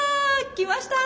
来ました！